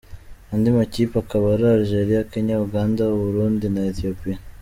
Adi makipe akaba ari Algeria, Kenya, Uganda, Uburundi na Ethiopia.